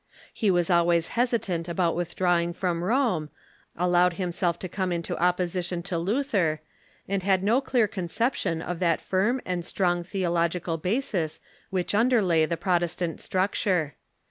He was always hesitant about withdrawing from Rome, allowed himself to come into opposition to Luther, and had no clear conception of that firm and strong theological basis which underlay the Protestant structure.